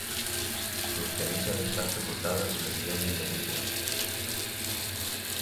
Sus cenizas están sepultadas en el Kremlin de Moscú.